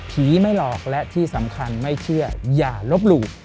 ไม่หลอกและที่สำคัญไม่เชื่ออย่าลบหลู่